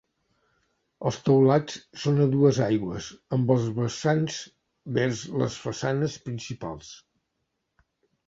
Els teulats són a dues aigües amb els vessants vers les façanes principals.